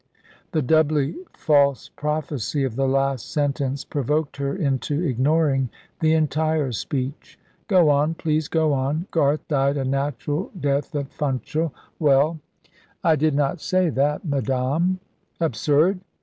The doubly false prophecy of the last sentence provoked her into ignoring the entire speech. "Go on please go on. Garth died a natural death at Funchal. Well?" "I did not say that, madame." "Absurd!